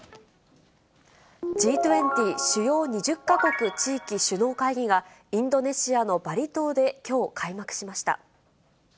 Ｇ２０・主要２０か国・地域首脳会議が、インドネシアのバリ島できょう、開幕しました。